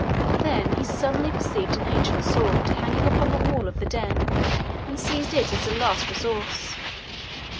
Then he suddenly perceived an ancient sword hanging upon the wall of the den, and seized it as a last resource.